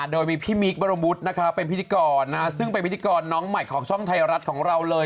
โดยมีพี่มิ๊กบรมวุฒิเป็นพิธีกรซึ่งเป็นพิธีกรน้องใหม่ของช่องไทยรัฐของเราเลย